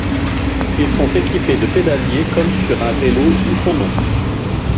Ils sont équipés de pédaliers comme sur un vélo d'où son nom.